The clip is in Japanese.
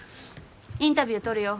インタビュー撮るよ。